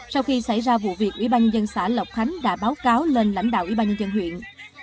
sau khi xảy ra vụ việc ủy ban dân xã lộc khánh đã báo cáo lên lãnh đạo ủy ban nhân dân huyện